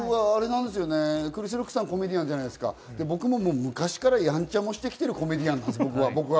クリス・ロックさん、コメディアンじゃないですか、僕も昔からやんちゃもしてきてるコメディアンなんです。